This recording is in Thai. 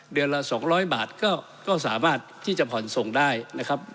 เดือนละ๒๐๐บาทก็สามารถที่จะผ่อนส่งได้นะครับ